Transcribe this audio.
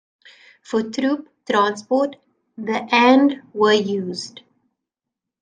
For troop transport the and were used.